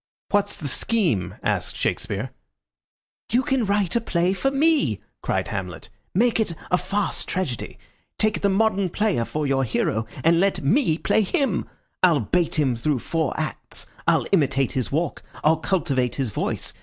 "What's the scheme?" asked Shakespeare. "You can write a play for me!" cried Hamlet. "Make it a farce tragedy. Take the modern player for your hero, and let me play him. I'll bait him through four acts. I'll imitate his walk. I'll cultivate his voice.